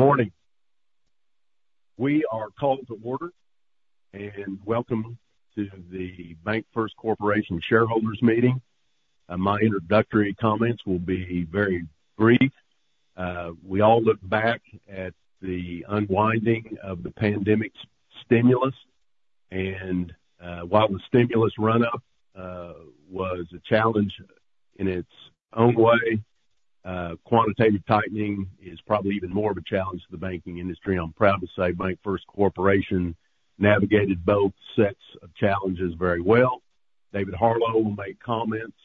Good morning. We are called to order, and welcome to the BancFirst Corporation shareholders meeting. My introductory comments will be very brief. We all look back at the unwinding of the pandemic stimulus. And, while the stimulus run up was a challenge in its own way, quantitative tightening is probably even more of a challenge to the banking industry. I'm proud to say BancFirst Corporation navigated both sets of challenges very well. David Harlow will make comments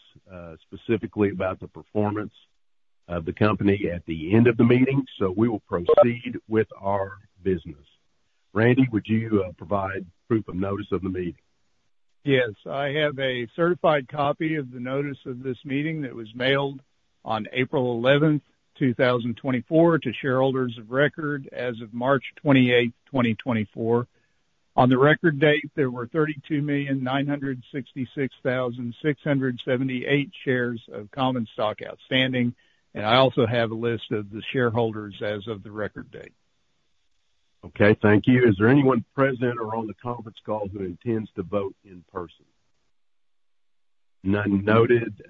specifically about the performance of the company at the end of the meeting, so we will proceed with our business. Randy, would you provide proof of notice of the meeting? Yes. I have a certified copy of the notice of this meeting that was mailed on April 11, 2024, to shareholders of record as of March 28, 2024. On the record date, there were 32,966,678 shares of common stock outstanding, and I also have a list of the shareholders as of the record date. Okay, thank you. Is there anyone present or on the conference call who intends to vote in person? None noted.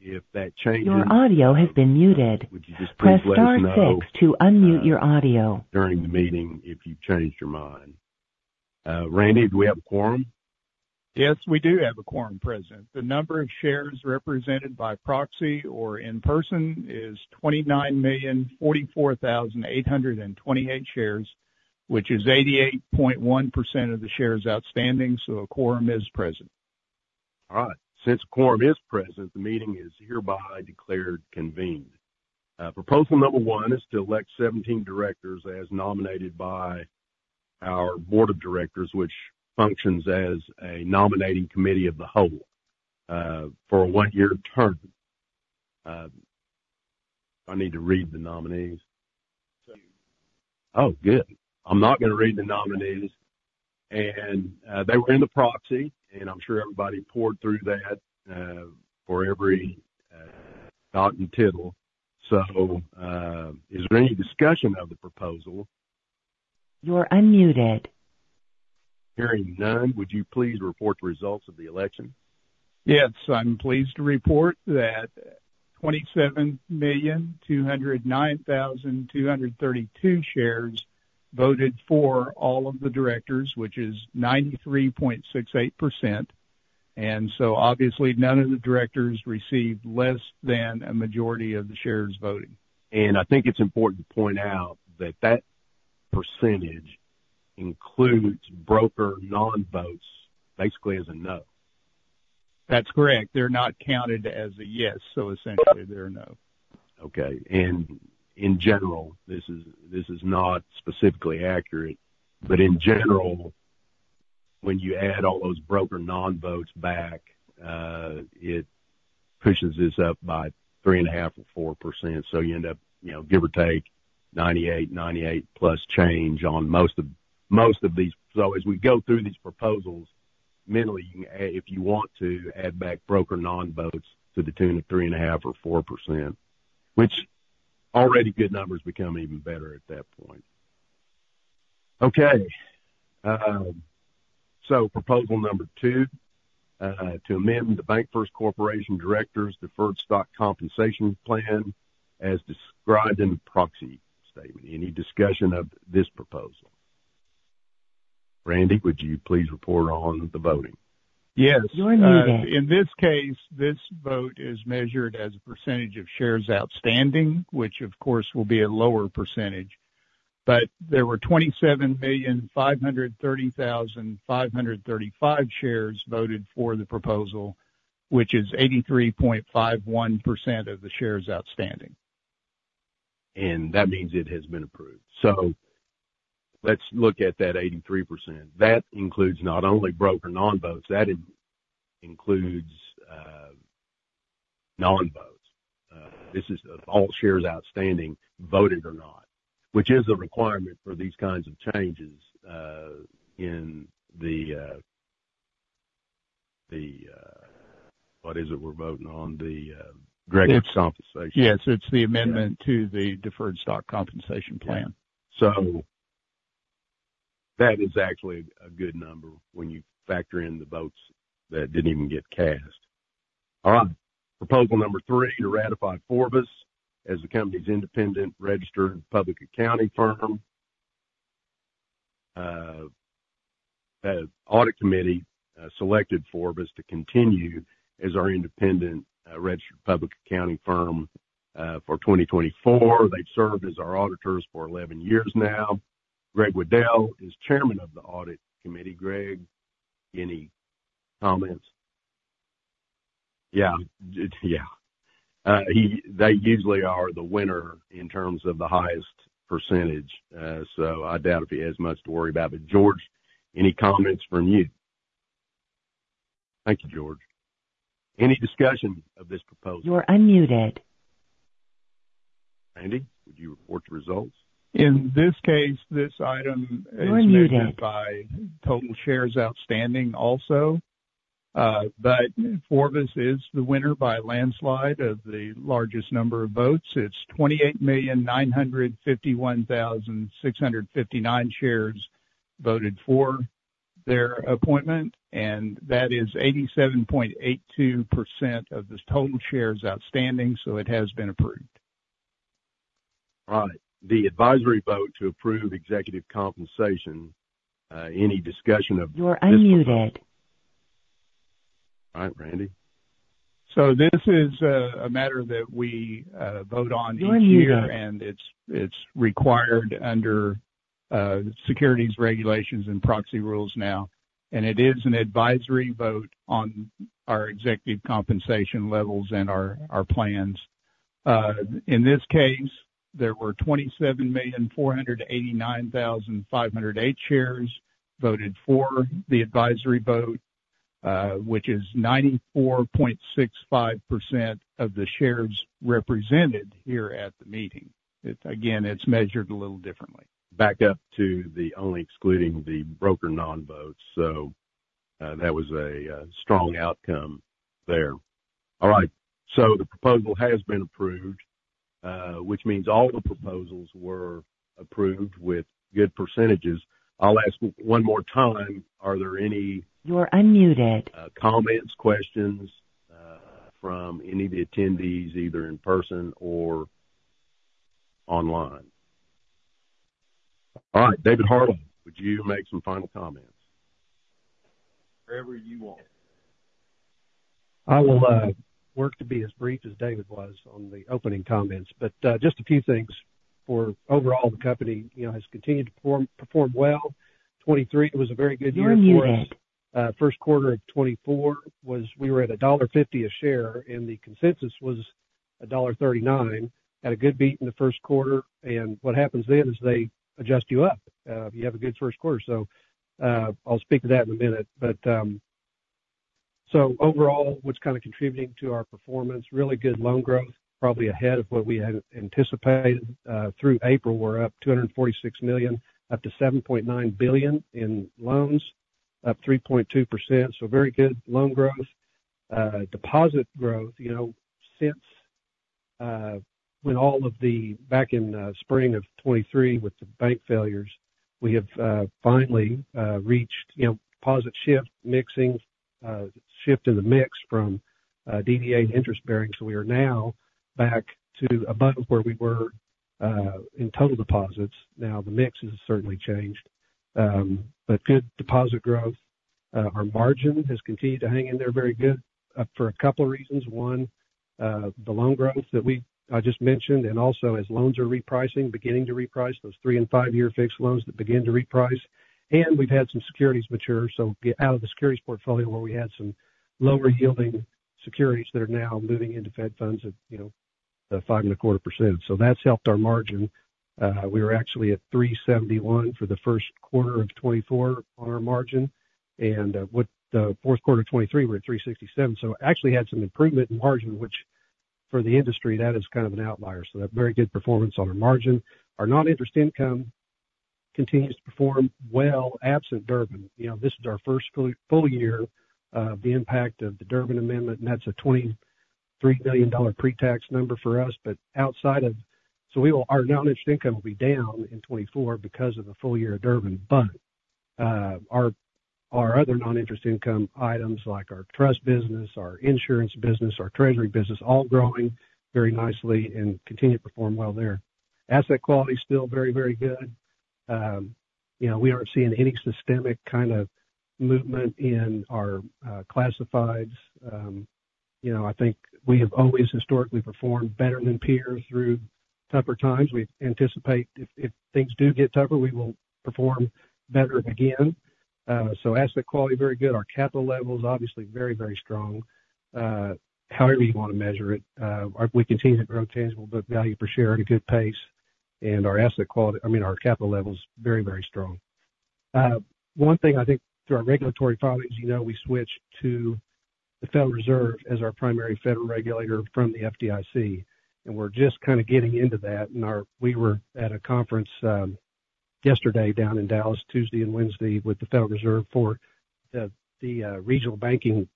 If that changes- Your audio has been muted. Would you just please let us know- Press star six to unmute your audio. During the meeting, if you've changed your mind. Randy, do we have a quorum? Yes, we do have a quorum present. The number of shares represented by proxy or in person is 29,044,828 shares, which is 88.1% of the shares outstanding, so a quorum is present. All right. Since a Quorum is present, the meeting is hereby declared convened. Proposal number one is to elect 17 directors as nominated by our board of directors, which functions as a nominating committee of the whole, for a one-year term. I need to read the nominees? Oh, good. I'm not gonna read the nominees. They were in the proxy, and I'm sure everybody pored through that, for every dot and tittle. Is there any discussion of the proposal? You're unmuted. Hearing none, would you please report the results of the election? Yes. I'm pleased to report that 27,209,232 shares voted for all of the directors, which is 93.68%, and so obviously none of the directors received less than a majority of the shares voting. I think it's important to point out that that percentage includes Broker Non-Votes, basically, as a no. That's correct. They're not counted as a yes, so essentially they're a no. Okay. And in general, this is not specifically accurate, but in general, when you add all those broker non-votes back, it pushes this up by 3.5 or 4%. So you end up, you know, give or take, 98, 98+ change on most of these. So as we go through these proposals, mentally, you can add, if you want to, add back broker non-votes to the tune of 3.5 or 4%, which already good numbers become even better at that point. Okay, so proposal number two, to amend the BancFirst Corporation Directors' Deferred Stock Compensation Plan as described in the proxy statement. Any discussion of this proposal? Randy, would you please report on the voting? Yes. You're muted. In this case, this vote is measured as a percentage of shares outstanding, which of course will be a lower percentage. But there were 27,530,535 shares voted for the proposal, which is 83.51% of the shares outstanding. And that means it has been approved. So let's look at that 83%. That includes not only broker non-votes, includes non-votes. This is of all shares outstanding, voted or not, which is a requirement for these kinds of changes in the... What is it we're voting on? The deferred compensation. Yes, it's the amendment--to the Deferred Stock Compensation Plan. So that is actually a good number when you factor in the votes that didn't even get cast. All right, proposal number three, to ratify Forvis as the company's independent registered public accounting firm. Audit Committee selected Forvis to continue as our independent registered public accounting firm for 2024. They've served as our auditors for 11 years now. Greg Waddell is chairman of the audit committee. Greg, any comments? Yeah, yeah. They usually are the winner in terms of the highest percentage, so I doubt if he has much to worry about. But George, any comments from you? Thank you, George. Any discussion of this proposal? You're unmuted. Randy, would you report the results? In this case, this item is- You're unmuted... measured by total shares outstanding also.... but Forvis is the winner by a landslide of the largest number of votes. It's 28,951,659 shares voted for their appointment, and that is 87.82% of the total shares outstanding, so it has been approved. All right. The advisory vote to approve executive compensation, any discussion of- You're unmuted. All right, Randy? So this is a matter that we vote on each year- You're unmuted. It's required under securities regulations and proxy rules now, and it is an advisory vote on our executive compensation levels and our plans. In this case, there were 27,489,508 shares voted for the advisory vote, which is 94.65% of the shares represented here at the meeting. It. Again, it's measured a little differently. Back up to the only excluding the broker non-votes, so that was a strong outcome there. All right, so the proposal has been approved, which means all the proposals were approved with good percentages. I'll ask one more time, are there any- You're unmuted. Comments, questions, from any of the attendees, either in person or online? All right, David Harlow, would you make some final comments? Whatever you want. I will work to be as brief as David was on the opening comments, but just a few things for overall, the company, you know, has continued to perform, perform well. 2023 was a very good year for us. You're unmuted. Q1 of 2024 was we were at $1.50 a share, and the consensus was $1.39. Had a good beat in the Q1, and what happens then is they adjust you up, if you have a good Q1. So, I'll speak to that in a minute. But, so overall, what's kind of contributing to our performance? Really good loan growth, probably ahead of what we had anticipated. Through April, we're up $246 million, up to $7.9 billion in loans, up 3.2%. So very good loan growth. Deposit growth, you know, since, when all of the back in, spring of 2023, with the bank failures, we have, finally, reached, you know, deposit shift, mixing, shift in the mix from, DDA and interest bearing. So we are now back to above where we were in total deposits. Now, the mix has certainly changed, but good deposit growth. Our margin has continued to hang in there very good for a couple of reasons. One, the loan growth that we, I just mentioned, and also as loans are repricing, beginning to reprice, those three and five year fixed loans that begin to reprice. And we've had some securities mature, so get out of the securities portfolio where we had some lower yielding securities that are now moving into Fed funds at, you know, 5.25%. So that's helped our margin. We were actually at 3.71% for the Q1 of 2024 on our margin, and, in the fourth quarter of 2023, we're at 3.67%. So actually had some improvement in margin, which for the industry, that is kind of an outlier. So that very good performance on our margin. Our non-interest income continues to perform well, absent Durbin. You know, this is our first full year, the impact of the Durbin Amendment, and that's a $23 billion pretax number for us. But outside of. So we will, our non-interest income will be down in 2024 because of the full year of Durbin. But, our other non-interest income items, like our trust business, our insurance business, our treasury business, all growing very nicely and continue to perform well there. Asset quality is still very, very good. You know, we aren't seeing any systemic kind of movement in our classifieds. You know, I think we have always historically performed better than peers through tougher times. We anticipate if, if things do get tougher, we will perform better again. So asset quality, very good. Our capital levels, obviously very, very strong, however you want to measure it. We continue to grow tangible book value per share at a good pace, and our asset quality, I mean, our capital level is very, very strong. One thing I think through our regulatory filings, you know, we switched to the Federal Reserve as our primary federal regulator from the FDIC, and we're just kind of getting into that. We were at a conference yesterday down in Dallas, Tuesday and Wednesday, with the Federal Reserve for the regional banking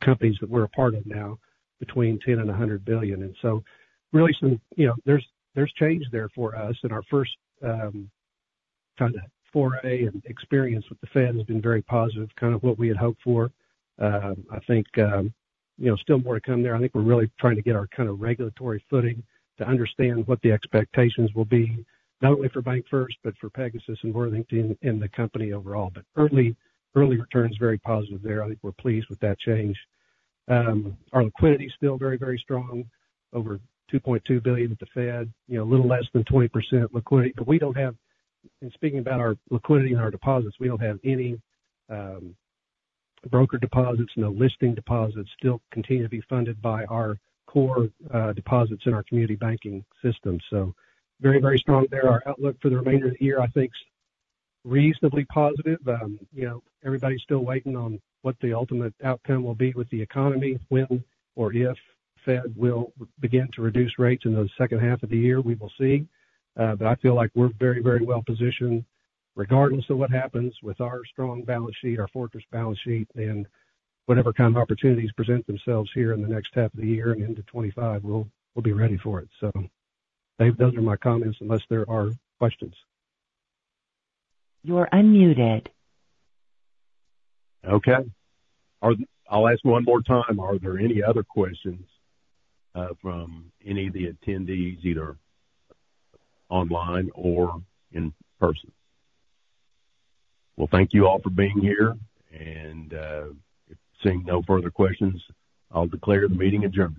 companies that we're a part of now, between $10 billion and $100 billion. So really some, you know, there's change there for us. And our first kind of foray and experience with the Fed has been very positive, kind of what we had hoped for. I think you know, still more to come there. I think we're really trying to get our kind of regulatory footing to understand what the expectations will be, not only for BancFirst, but for Pegasus and Worthington and the company overall. But early, early returns, very positive there. I think we're pleased with that change. Our liquidity is still very, very strong, over $2.2 billion with the Fed, you know, a little less than 20% liquidity. But we don't have... And speaking about our liquidity and our deposits, we don't have any broker deposits, no listing deposits. Still continue to be funded by our core deposits in our community banking system, so very, very strong there. Our outlook for the remainder of the year, I think, is reasonably positive. You know, everybody's still waiting on what the ultimate outcome will be with the economy, when or if Fed will begin to reduce rates in the second half of the year, we will see. But I feel like we're very, very well positioned regardless of what happens with our strong balance sheet, our fortress balance sheet, and whatever kind of opportunities present themselves here in the next half of the year and into 2025, we'll, we'll be ready for it. So Dave, those are my comments, unless there are questions. You're unmuted. Okay. I'll ask one more time, are there any other questions from any of the attendees, either online or in person? Well, thank you all for being here, and if seeing no further questions, I'll declare the meeting adjourned.